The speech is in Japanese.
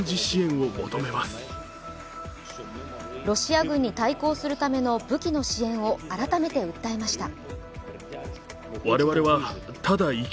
ロシア軍に対抗するための武器の支援を改めて訴えました。